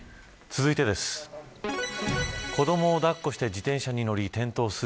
続いてです。